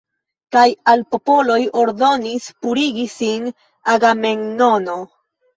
Kaj al popoloj ordonis purigi sin Agamemnono.